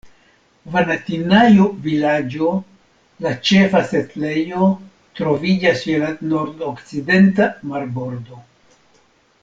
Vanatinajo-Vilaĝo, la ĉefa setlejo, troviĝas je la nordokcidenta marbordo.